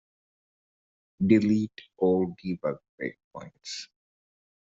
Delete all debug breakpoints.